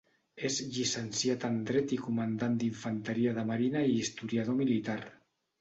És llicenciat en dret i comandant d'Infanteria de Marina i historiador militar.